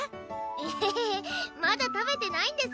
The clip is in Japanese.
エヘヘまだ食べてないんです